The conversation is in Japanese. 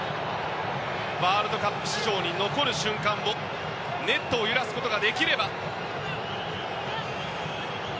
ワールドカップ史上に残る瞬間をネットを揺らすことができれば。